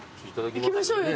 いきましょうよ。